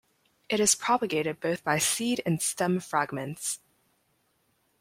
It is propagated both by seed and stem fragments.